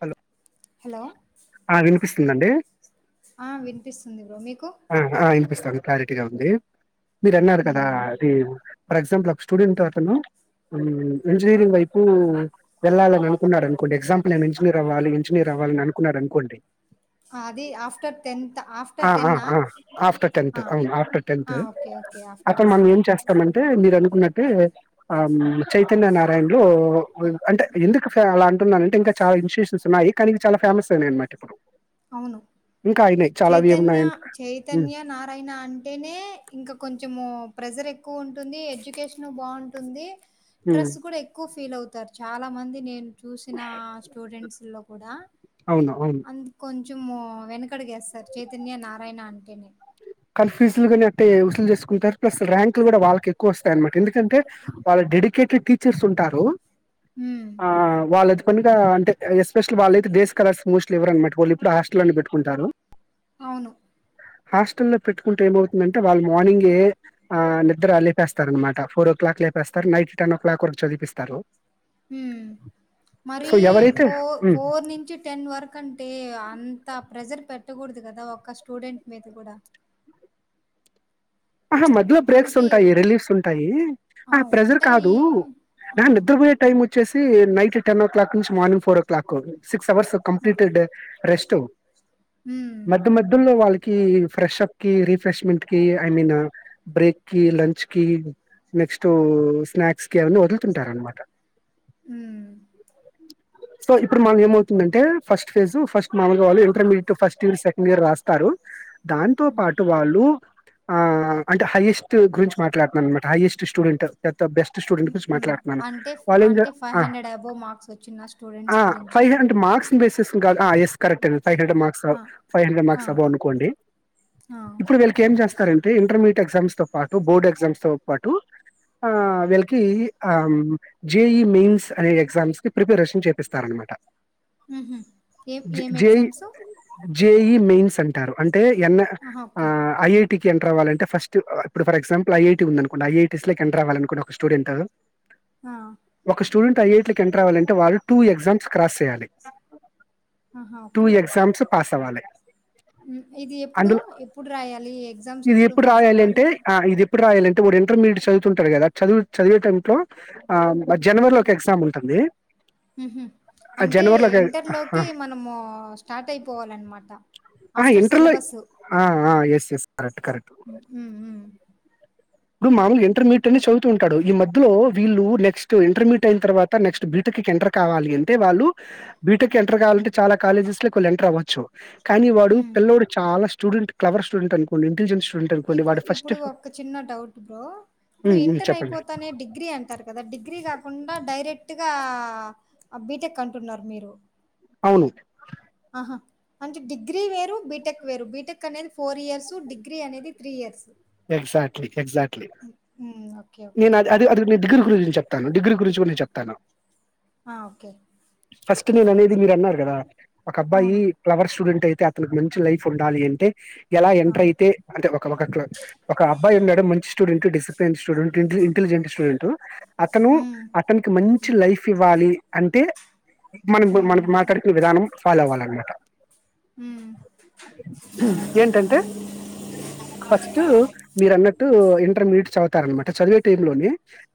Hello hello ఆ వినిపిస్తుందండి ఆ వినిపిస్తుంది బ్రో మీకు ఆ ఆ విన్పిస్త్ సగం క్లారిటీగా ఉంది మీరు అన్నారు కదా హ్మ్ అది ఫర్ ఎగ్జాంపుల్ ఒక స్టూడెంట్ అతను ఇంజనీరింగ్ వైపు వెళ్ళాలని అనుకున్నాడు అనుకోండి ఎగ్జాంపుల్ నేను ఇంజనీర్ అవ్వాలి ఇంజనీర్ అవ్వాలని అనుకున్నాడు అనుకోండి అది ఆఫ్టర్ టెన్త్ ఆ ఆఫ్టర్ టెన్న ఆ ఆఫ్టర్ టెన్త్ అవును ఆఫ్టర్ టెన్త్ ఆ ఓకే ఓకే ఆఫ్టర్ అక్కడ మనం టెన్త్ ఏం చేస్తామంటే మీరు ఉన్నట్టే ఆ చైతన్య నారాయణ లో అంటే ఎందుకు అలా అంటున్నా అంటే ఇంకా చాలా ఇన్స్టిట్యూషన్స్ ఉన్నాయి కానీ ఇక్కడ చాలా ఫేమస్ అయినాయి అనమాట ఇప్పుడు అవును ఇంకా అయినాయి చాలా చైతన్య వియ్యగున్నయ్ చైతన్య నారాయణ అంటేనే ఇంకా కొంచము ప్రెజర్ ఎక్కువ ఉంటుంది ఎడ్యుకేషన్ బాగుంటుంది ఉమ్, డ్రెస్ కూడా ఎక్కువ ఫీల్ అవుతారు చాలా మంది నేను చూసిన స్టూడెంట్స్ లో కూడా అవును అవు కొంచము వెనుక వెనకడుగు వేస్తారు చైతన్య నారాయణ అంటె ఎమో కన్ఫ్యూజులు గాని అట్టే వసూలు చేసుకుంటారు ప్లస్ ర్యాంక్లు గూడా వాళ్ళకి ఎక్కువ వస్తాయనమాట ఎందుకంటే వాళ్ళ డెడికేటెడ్ టీచర్స్ ఉంటారు. హ్మ్ ఆ వాళ్ళ కొన్నిగా అంటే ఎస్పెషల్ వాళ్ళైతే డేస్ కాలర్స్ మోస్ట్లీఇవ్వరన్నమాట వొళ్ళు ఇప్పుడు హస్టలోని బెట్టుకుంటారు అవును హాస్టెల్ పెట్టుకుంటే ఏమవుతుంద అే వాళ్ు మార్నింగే నిద్ర అ లేపేస్తారు అనమాట ఫోర్ ఓ క్లాక్ లేపేస్తారు నైట్ టెన్ ఓ క్లాక్ వరకు చదివిపిస్తారు మరి సో ఎవరైతే ఫోర్, ఉమ్ ఫోర్ నుంచి టెన్ వరక అంటే అ అంత ప్రెజర్ పెట్టకూడదు కదా ఒక్క స్టూడెంట్ మీద కూడా ఆహా మధ్యలో బ్రేక్స్ మనకి ఉంటాయి రిలీఫ్స్ ఉంటాయి, ఆ! ఆహ ప్రెజర్ కాదు ఉంటాయి. నా ఆ! నిద్రపోయే టైం వచ్చి చ్చసి నైట్ టెన్ ఓ క్లాక్ నుంచి morning four o'clock six [unintelligible] సవర్స్ ఆ! కంప్లీటెడ్ రెస్ట్ హ్మ్. మధ్య మధ్య లో వాళ్ళకి ఫ్రెష్పకి, రిఫ్రెష్మెట్కి ఐ మీన్ బ్రేక్ కి, లంచ్ కి నెక్స్ట్ స్నాక్స్ కి అవన్నీ వదులుతుంటారునమాట హమ్ సో ఇప్పుడు మనం ఏమవుతుందంటే ఫస్ట్ ఫేజు ఫస్ట్ మామూగా వాళ్ళు intermediate first year second year రాస్తారు దాంతో హ్మ్. పాటు వాళ్ళు ఆ అంటే హైయెస్ట్ గురించి మాట్లాడుతున్నా అన్నమాట హైయస్ట్ స్టూడెంట్ బెస్ట్ స్టూడెంట్ గురించి మాట్లాడుతున్నాను అంటే, వాళ్ళు ఏం అంటే ఫైవ్ హండ్రెడ్ అబోవ్ మార్క్స్ వచ్చిన స్టూడెంట్స్ గురించి ఫైవ్ హండ్రెడ్ మార్క్స్ బేసిస్ కా ఎస్ కరెక్ట్ అ ఫైవ్ హండ్రెడ్ మార్క్స్ ఆ! ఫైవ్ హండ్రెడ్ ఆ! మార్క్స్ అబవ్ అనుకోండి ఆ! ఇప్పుడు వీళ్ళకి ఏం చేస్త కరెంట్ అే ఇంటర్మీడియట్ ఎగ్జామ్స్ తో పాటు బోర్డ్ ఎగ్జామ్స్ తో పాటు ఆ వీళ్ళకి ఆ జేఈఈ మెయిన్స్ అనే ఎగ్జామ్స్ కి ప్రిపరేషన్ చేపిస్తార అనమాట ఉహ్ హు ఏం ఏం ఎగ్జామ్స్ జేఈ మెయిన్స్ అంటారు అంటే ఎన్ ఆహా! ఓకే. ఐ ఐటి ఎంటర్ అవ్వాలంట ఫస్ ఇప్పుడు ఫర్ ఎగ్ాంపుల్ ఐటీ ఉందినుంట ఐటీస్ ఎంటర్వాల అనుకో ఒక స్టడెంట్ ఆ! ఒక స్టూడెంట్ ఐఐటీలో ల ఎంటర్ అవ్వాలంటే వాళ్ళ టూ ఎగ్జామ్స్ క్రాస్ చేయాలి ఆహా ఓకే ఆ సవాాలే ఇది ఎప్పుడు, ఎప్పుడు రాయాలి ఎగ్జామ్స్ ఇది ఎప్పుడు రాయాలి అంటే పాసవ్వాలి? ఇది ఎప్పుడు రాయాలంటే వా ఇంటర్మీడియట్ చదువుతుంటారు కదా చదువు చదివేటం లో ఆ జనవరిలో ఒక ఎగ్జామ్ ఉంటుంది ఆ అంటే జనవరిలో ఒక ఇంటర్ లోకి మనము స్టార్ట్ అయిపోవాలన్నమాట ఆ ఆఫ్టర్ ఇంటర్లో సిలబస్ ఆ ఆ ఎస్ ఎస్ కరెక్ట్ కరెక్ట్ హ్మ్ హ్మ్మ్ ఇప్పుడు మామూలుగా ఇంటర్మీట్ అని చదువుతూ ఉంటాడు ఈ మధ్యలో వీళ్ళు నెక్స్ట్ ఇంటర్మీట్ అయిన తర్వాత నెక్స్ట్ బీటెక్ కి ఎంటర్ కావాలి అంటే వాళ్ళు బీటెక్ ఎంటర్ కావాలంటే చాలా కాలేజెస్ లోకి వాళ్ళ ఎంటర్ అవ్వచ్చు. కాని వాడు హ్మ్. పిల్లోడు చాలా స్టూడెంట్ క్లవర్ స్టూడెంట్ అనుకోండి ఇంటెజె రుంటది కొన్ని ఇప్పుడు వాడు ఫస్ట్ ఇప్పుడు ఒక చిన్న డౌట్ బ్రో ఇప్పుడు హ్మ్. హ్మ్. ఇంటర్ చెప్పండి. అయిపోతనే డిగ్రీ అంటారు కదా డిగ్రీ గా కుండా డైరెక్ట్ గా బీటెక్ అంటున్నారు మీరు అవును ఆహా అంటే డిగ్రీ వేరు బీటెక్ వేరు బీటెక్ అనేది ఫోర్ ఇయర్స్ డిగ్రీ అనేది త్రీ ఇయర్స్ ఎగ్జాట్లి ఎగ్జాట్లి హ్మ్. ఓకే. ఓకే. నేను అద అదే దిగురు గురించి చెప్తాను డిగ్రీ గురించి నేను చెప్తాను ఆ! ఓకే. ఫస్ట్ నేను అనేది మీరు అన్నారు గదా ఒక అబ్బాయి అవును. ఫ్లవర్ స్టూడెంట్ టయితే అతనికి మంచి లైఫ్ ఉండాలి అంటే ఎలా ఆ! ఎంటర్ అయితే అంత అదొక చైర్ ఒక అబ్బాయి ఉన్నాడు మంచి student discipline student intelligent student అతను హ్మ్. అతనికి మంచి లైఫ్ ఇవ్వాలి అంటే మనం ఇప్ మనం హ్మ్. మాట్లాడుకునే విధానం ఫాలో అవ్వాలన్నమాట హ్మ్. హుమ్ ఏంటంటే ఫస్ట్ అన్నట్టు ఇంటర్మీడియట్ చదువుతారన్నమాట చదివే టైమ్ లోనే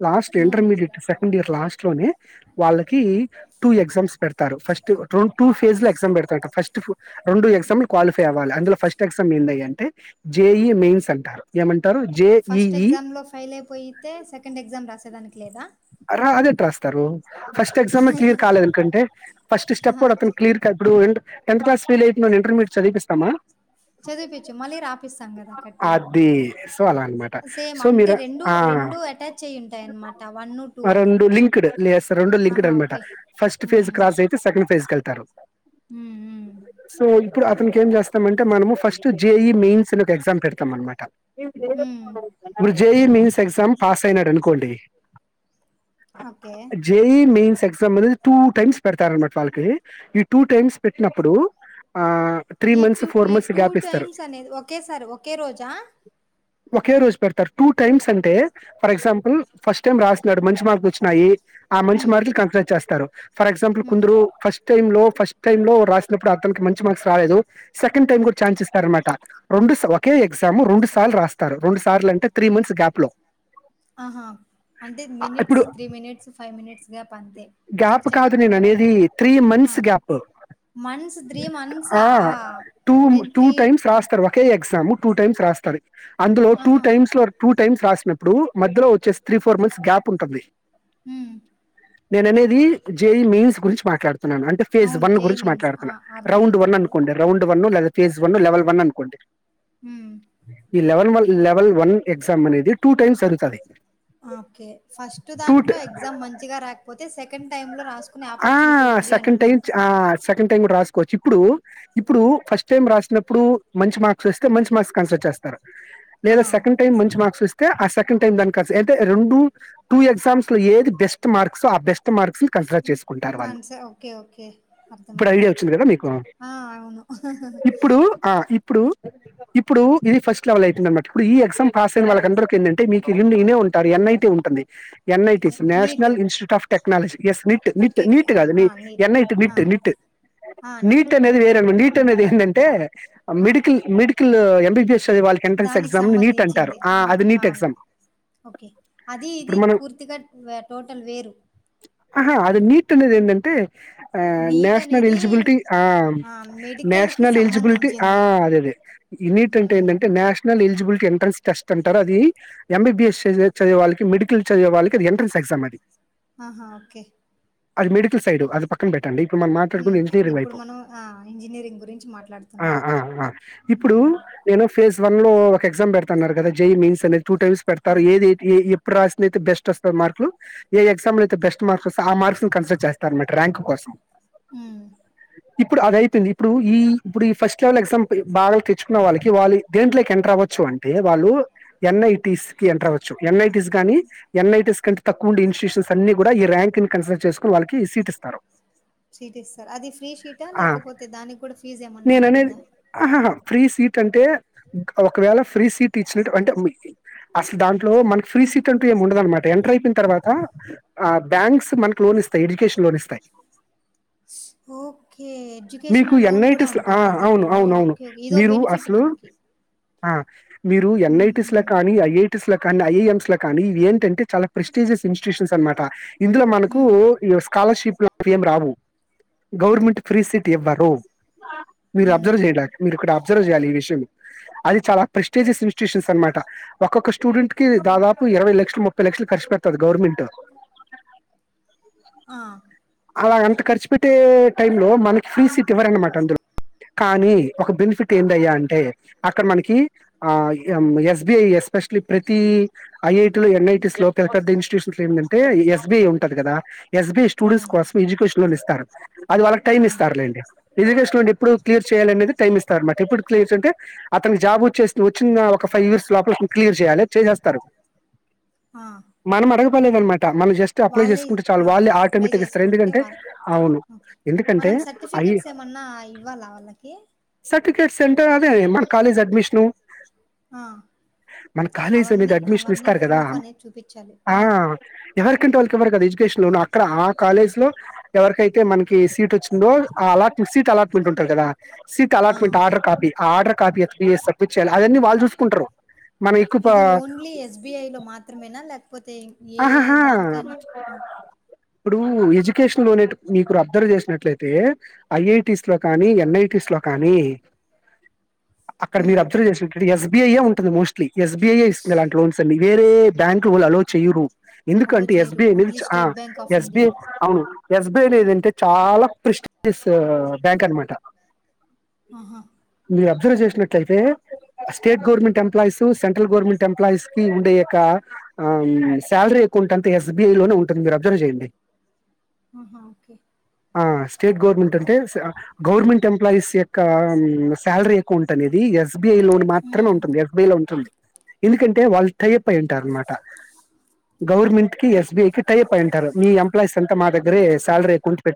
లాస్ట్ హ్మ్. ఇంటర్మీడియట్ సెకండ్ ఇయర్ లాస్ట్ లోనే వాళ్ళకీ టూ ఎగ్జామ్స్ పెడతాడు ఫస్ట్ రె టూ ఫేజ్ లో ఎగ్జామ్ పెడతాడు ఫస్ట్ రెండు ఎగ్జాంలు క్వాలిఫై అవ్వాలి అందులో ఫస్ట్ ఎగ్జామ్ ఏంది అంటే జేఈఈ మెయిన్స్ అంటా ఏమన్ ఫస్ట్ ఎగ్జామ్ లో ఫెయిల్ అయిపోయితే సెకండ్ ఎగ్జామ్ రాస్ డానికి లేదా అరే అదెట్ రాస్తరు ఫస్ట్ ఎగ్జామే క్లియర్ కాలేదు ఇంకంటే ఫస్ట్ స్టెప్ ఆహా! కూడా అతను క్లియర్ క ఇప్పుడు అం టెన్త్ క్లాస్ ఫెయిల్ ఐతయిందని ఇంటర్మీయట్ చదిపిస్తామా చదిపించు మళ్ళీ రాపిస్తాం కదా కట్టి అది సో అలా అనమాట సేమ్ సో అంటే మీరు రెండు ఆ రెండు అటాచ్ అయ్ ఉంటాయి అన్నమాట వన్ ఆ రెండు లింక్డ్ లే రెండు లింక్డ్ అనమాట ఓకే. ఫస్ట్ ఫేజ్ హ్మ్. క్రాస్ అయితే సెకండ్ ఫేజ్ తీసుకెళ్తారు హ్మ్. హ్మ్. సో ఇప్ ఇప్పుడు అతనికి ఏం చేస్తామంటే మనము ఫస్ట్ జేఈ మెయిన్స్ ఒక ఎగ్జామ్ పెడతాం అనమాట హ్మ్ ఇప్పుడు జేఈ మేన్స్ ఎగ్జామ్ పాస్ అయినాడు అనుకోండి ఓకే. జేఈ మీన్స్ ఎగ్జామ్ అనేది టూ టైమ్స్ పెడతారునమాట వాళ్ళకి ఈ టూ టైమ్స్ పెట్టినప్పుడు ఆ త్రీ ఈ మంత్స్ టూ ఈ ఫోర్ మంత్స్ టూ గ్యాప్ ఇస్తారు టైమ్స్ అనేది ఒకేసారి ఒకే రోజా ఒకే రోజు పెడతారు టూ టైమ్స్ అంటే ఫర్ ఎగ్జాంపుల్ ఫస్ట్ టైమ్ రాస్నడు మంష్ మార్కు వచ్చినాయి ఆ మంచి హ్మ్. మార్కులు కంటేట్ చేస్తారు ఫర్ ఎక్సంపుల్ హ్మ్. కొందరు ఫస్ట్ టై లో ఫస్ట్ టై లో రాసినప్పుడు అతనికి మంచి మార్క్స్ రాలేదు సెకండ్ టైం కూడా ఛాన్స్ ఇస్తారనమాట రెండు సా ఒకే ఎగ్జామ్ రెండు సార్లు రాస్తారు రెండు సార్లు అంటే త్రీ మంత్స్ గ్యాప్ లో ఆహా! అంటే ఆ, మినిట్స్ ఇప్పుడు three minutes five minutes gap అంతే. గ్యాప్ చకచక కాదు నేను వెంట అనేదీ వెంటనే. త్రీ మంత్స్ ఆ! గ్యాప్ మంత్స్ త్రీ మంత్సా ఆ టూ నేను టూ త్రీ టైమ్స్ రాస్తరు ఒకే ఎగ్జామ్ టూ టైమ్స్ రాస్తారు అందులో టూ ఆహా టైమ్స్ లో టూ టైమ్స్ రాసినప్పుడూ మధ్యలో వచ్చేసి త్రీ ఫోర్ మంత్స్ గ్యాప్ ఉంటది హ్మ్ నేననేదీ జేయి మైయిన్స్ గురించి మాట్లాడు యున్నాను అంటే ఫేజ్ అవును వన్ జై గురించి మీన్స్ ఆ మాట్లాడుతున్న రౌండ్ వన్ అర్థమవుతాంది అనుకోండి రౌండ్ వన్ లేద ఫేస్ వన్ లెవెల్ వన్ అనుకోండి హ్మ్ ఈ లెవెల్ వల్ లెవెల్ వన్ ఎగ్జామ్ అనేది టూ టైమ్స్ జరుగుతాది ఓకే ఫస్ట్ దాంట్లో ఎగ్జామ్ మంచిగా రాయ్ పోతే సెకండ్ టైమ్ లో రాసు ఆ సెకండ్ టైమ్ ఆ సెకండ్ టైమ్ కూడ రాసుకోవచ్చు ఇప్పుడూ ఇప్పుడూ ఫస్ట్ టైం రాసినప్పుడు మంచి మార్క్స్ వస్తే మంచి మార్క్స్ కన్సర్న్ చేస్తారు ఆ లేదా సెకండ్ టైమ్ మంచి మార్క్స్ వస్ ఐతే ఆ సెకండ్ టైమ్ దానికి క అయితే రెండు టూ ఎగ్జామ్స్ లో ఏది బెస్ట్ మార్క్స్ ఓ ఆ బెస్ట్ మార్క్స్ ని కన్సిడర్ చేసు కన్స ఓకే ఓకే ఇప్పుడు అర్థమయింది ఐడియా వచ్చింది కదా మీకు? ఆ అవును ఇప్పుడూ ఇప్పుడూ ఇది ఫస్ట్ లెవెల్ అయితుంది అనమాట ఇప్పుడు ఈ ఎగ్జామ్ పాస్ అయిన వాళ్ళ అందరికి ఏంటంటే మీ రెండు ఇనే ఉంటారు ఎన్ ఐ టి ఉంటుంది NITs NEET national institute of technology yes NIT ని ఓకే ఓకే నీట్ ఆ కాదు అండి ఆ నీట్ ఎన్ఐటి ఆ నిట్ నిట్ ఆ నీట్ అనేది ఓకే వేరే మళ్ళీ నీట్ అనే ఎందంటే ఆ మెడికల్ మెడిక్ కల్ ఎంబీబీఎస్ చదివే వాళ్ళకి ఎంట్రన్స్ దానికి ఎగ్జామ్ ని నీట్ అంటారు సంబంధించింది ఆ ఆహా అది నీట్ బాంది ఎగ్జామ్ ఓకే అది ఇది ఇప్పుడు మనం పూర్తిగా టోటల్ వేరు ఆహా అది నీట్ ట్ అనేది ఎందంటే ఆ నీట్ నేషనల్ అనేది ఎలిజిబిలిటీ ఆ ఆ మెడికల్కి నేషనల్ ఎలిజిబిలిటీ ఆ సంబంధించింది అదే అదే ఈ నీట్ అంటే మ్మ్ ఏందంటే నేషనల్ ఎలిజిబిల్ ఎంట్రెన్స్ టెస్ట్ అంటారు. అదీ ఎంబీబిఎస్ చదివే వాళ్ళకి, మెడికల్ చదివే వాళ్ళకి, అది ఎంట్రెన్స్ ఎగ్జామ్. ఆహా ఓకే అది మెడికల్ సైడు అది పక్కన బెట్ అండి ఇప్పుడు మన మాట్లాడుకునేది మ్మ్ ఇంజనీర్ ఇప్పుడు వైపు మనం ఆ ఇంజనీరింగ్ గురించి ఆ మాట్లాడుతున్నాం ఆ ఆ ఇప్పుడూ మ్మ్ నేను ఫేజ్ వన్ లో ఒక ఎగ్జామ్ పెడుతన్నారు కదా జేఈ మెయిన్స్ అనేది టూ టైమ్స్ పెడతారు అవును ఏది ఏ ఎప్ రాసింది అయితే బెస్ట్ వస్తది మార్కులు ఏ ఎగ్జామ్ లోయితే బెస్ట్ మార్క్స్ వస్త ఆ మార్క్స్ కన్సిడర్ చేస్తారన్నమాట ర్యాంక్ కోసం హ్మ్ ఇప్పుడు అదయితుంది ఇప్పుడు ఈ ఇప్పుడు ఈ ఫస్ట్ కేవలం ఎక్సంపుల్ బాగనే తెచ్చకున్ ఇంట్లో వాళ్ళకి వాలీ దేంట్లోకి ఎంటర్ అవ్వచ్చు. అంటే వాళ్ళు ఎన్ఐటీస్ కి ఎంటర్ అవ్వచ్చు. ఎన్ఐటీస్ గాని ఎన్ఐటిస్ కంటే తక్కువ ఉండే ఇన్స్టుషూస్ అన్ని కూడా ఈ ర్యాంక్ నీ కన్ చేసుకోని వాళ్ళకి సీట్ ఇస్ సీట్ ఇస్తారు అది ఫ్రీ షీటా లేకపోతే దానికి కూడా ఫీజ్ ఏమన్నా నేననేది ఉంటుందా ఆహాహా ఫ్రీ సీట్ అంటే ఒకవేళ ఫ్రీ సీట్ ఇచ్చినట్టు అంటే, అసలు దాంట్లో మనకి ఫ్రీ సీట్ అంటూ ఏమి ఉండదు అనమాట. ఎంటర్ అయిపోయిన తర్వాత ఆ బ్యాంక్స్ మన లోన్ ఇస్తాయి ఎడ్యుకేషన్ లోన్ ఇస్తాయి ఓకే మీకు ఎడ్యుకేషనల్ లోన్ కూడా ఎన్ఐటీస్ ఆ ఉంటుందా అవును దీంట్లో అవునవును. ఓకే కే ఇదో మీరు బెనిఫిట్ అసలు మనకి ఆ మీరు మ్మ్ యెన్ఐటీస్ ల మ్మ్ కానీ ఐటీస్ ల కానీ ఐఎమ్స్ లో కానీ ఇవి ఏంటి అంటే చాలా ప్రెస్టీజియస్ ఇన్స్ట్యూషన్స్ అనమాట ఇందులో మన్ పూ మ్మ్ యువర్ స్కాలర్షిప్ అవి ఎం రావు గవర్మెంట్ ఫ్రీ సీట్ ఇవ్వరు మీరు హ్మ్. అబ్జర్వ్ చేయల మీరు ఇక్కడబ్ అబ్జర్వ్ చేయాలి ఈ విషయం అది చాలా ప్రెస్టేజెస్ ఇన్స్టిట్యూషన్స్ అనమాట ఒక్కొక్క స్టూ స్టూడెంట్ కి దాదాపు ఇరవై లక్షలు ముప్పై లక్షలు ఖర్చుపెడతాది గవర్నమెంట్ ఆ అలా అంత ఖర్చు పెట్టే టైం లో మనకి ఫ్రీ సీట్ ఇవ్వరనమాట. అందులో కానీ ఒక బెనిఫిట్ ఏందయ్యా అంటే, అక్కడ మనకి ఆ ఎస్బిఐ ఎస్పెషలీ ప్రతి ఐఐటీ లో, ఎన్ఐటీస్ లో, పెద్ద ఇన్స్టిట్యూషన్స్లో, ఏందంటే ఎస్బీఐ ఉన్ ఉంటది కదా యస్బీఐ స్టూడెంట్స్ అవును. కోసం ఎడ్యుకేషన్ లోన్ ఇస్తారు అది వాళ్ళకి టైమ్ హ్మ్. ఇస్తారులేండి ఎడ్యుకేషన్ ఇప్పుడు క్లియర్ చేయాలి అనేది టైమ్ ఇస్తారు మాకీ ఇప్పుడు క్లియర్ ఉంటే అతనికి జాబ్ వచ్చేస్తూ వచ్చిన ఒక ఫైవ్ ఇయర్స్ లోపల క్లియర్ చేయాలి చేసేస్తారు ఆ! మనం అడగం లేదనమాట మన జస్ట్ అప్లై వాళ్ళే చేసుకుంటే చాలు ఆ వాళ్ళే అప్లై ఆటోమేటిక్ ఇస్తారు చేసుకుంటే ఎందుకంటే వాళ్ళ అవును ఓకే ఎందుకంటే మనం అయి సర్టిఫికేట్స్ ఏమన్నా ఇవ్వాలా వాళ్ళకి టికెట్ సెంటర్ అదే మన కాలేజ్ అడ్మిషను ఆ మన కాలేజ్ అనేది అవన్నీ అడ్మిషన్ అవన్నీ ఇస్తారు కదా ప్రూఫ్ అనేది చూపించాలి ఆ అవును ఎవరికంటే వాళ్ళ్ కి ఇవ్వరు కదా ఎడ్యుకేషన్ లో అక్కడ ఆ కాలేజ్ లో ఎవరికైతే మనకి సీట్ వచ్చిందో ఆ అలాట్ సీట్ అలాట్మెంట్ ఉంటది కదా సీట్ ఆ! అలాట్మెంట్ ఆర్డర్ కాపీ ఆ ఆర్డర్ కాపీ ఎతకపోయి సబ్మిట్ చేయాలి అదన్నీ వాళ్ళు చూసుకుంటరు ఇది ఓన్లీ ఎ స్బి ఐ లో మాత్రమేనా లాకపోతే ఆహాహా ఇప్పుడు ఎజుకేషన్లోన్ మీకు అబ్జర్వ్ చేసినట్లయితే ఐ ఐ టీస్ లో కానీ ఎన్ ఐ టిస్ లో కానీ అక్కడ మీరు హ్మ్. అబ్జర్వ్ చేసు టడి యజ్ బి ఐ ఉంటది మోస్ట్లీ ఎస్బీఐ ఏ ఇస్తుంది అలాంటి లోన్స్ అన్నీ వేరే బ్యాంక్ లు ఓల్ అలౌ చేయరు అలో ఎందుకంటే ఎ చేయరు. స్బి ఐ అనేది ఓన్లీ ఆ state bank of a B India. I అవును ఎ స్బి ఐ లో ఏదంటే చాలా ప్రస్టీజియస్ బ్యాంక్ అనమాట ఆహా బ్జర్వ్ చేసినట్లయితే state government employees central government ఎంప్లాయస్కి ఉండే యొక్క అమ్ శాలరీ అకౌంట్ అంతా ఎస్బీఐ లోనే ఉంటది మీరు అబ్జర్వ్ చేయండి ఆహా ఓకే ఆ స్టేట్ గవర్నమెంట్ అంటే గవర్నమెంట్ ఎంప్లాయస్ యొక్క శాలరీ ఎకౌంట్ అనేది ఎస్ స్బీఐ లోని మాత్రమే హ్మ్. ఉంటుంది ఎఫ్ బీ లో ఉంటుంది ఎందుకంటే వాళ్ళు టయప్ అయి ఉంటారు అనమాట గవర్నమెంట్ కి ఎస్బిఐ కి టైప్ అయుంటారు మీ ఎంప్లాయస్ అంతా మా దగ్గరే సాలరీ ఎకౌంట్ పెట్